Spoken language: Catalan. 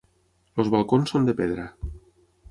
Els balcons són de pedra.